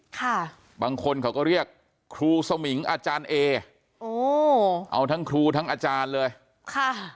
ค่ะบางคนเขาก็เรียกครูสมิงอาจารย์เอโอ้เอาทั้งครูทั้งอาจารย์เลยค่ะ